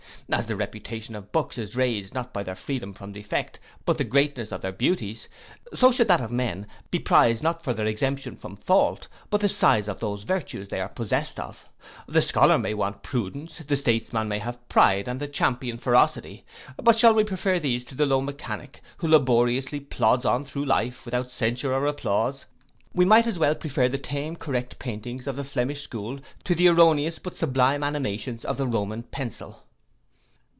As the reputation of books is raised not by their freedom from defect, but the greatness of their beauties; so should that of men be prized not for their exemption from fault, but the size of those virtues they are possessed of. The scholar may want prudence, the statesman may have pride, and the champion ferocity; but shall we prefer to these the low mechanic, who laboriously plods on through life, without censure or applause? We might as well prefer the tame correct paintings of the Flemish school to the erroneous, but sublime animations of the Roman pencil.